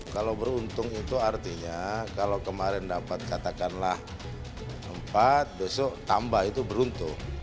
kalau beruntung itu artinya kalau kemarin dapat katakanlah empat besok tambah itu beruntung